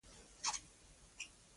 دوه تنه نور یې د پیغمبر د کورنۍ غړي وو.